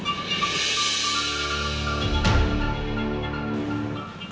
inget aja ya mbak